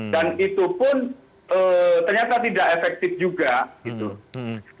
dan itu pun ternyata tidak efektif juga gitu